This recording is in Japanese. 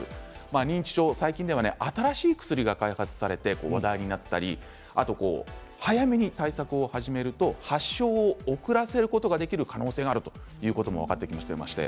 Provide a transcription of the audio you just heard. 認知症、最近では新しい薬が開発されて話題になったり早めに対策を始めると発症を遅らせることができる可能性があるということも分かってきました。